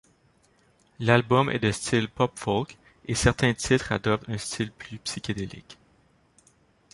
L'album est de style pop-folk, et certains titres adoptent un style plus psychédélique.